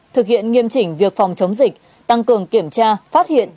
thực hiện nghiêm chỉnh việc phòng chống dịch tăng cường kiểm tra phát hiện